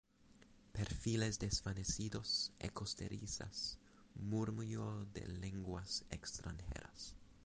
perfiles desvanecidos, ecos de risas, murmullo de lenguas extranjeras